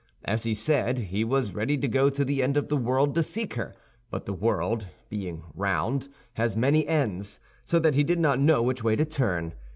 As he said, he was ready to go to the end of the world to seek her; but the world, being round, has many ends, so that he did not know which way to turn.